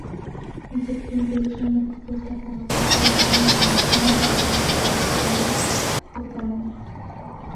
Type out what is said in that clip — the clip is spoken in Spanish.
En septiembre hizo una propuesta para una autonomía palestina bajo la supervisión de Jordania.